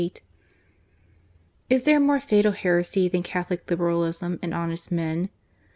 Is there a more fatal heresy than Catholic Liberalism in honest men?